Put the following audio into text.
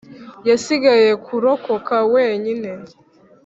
yasigaye kurokoka wenyine.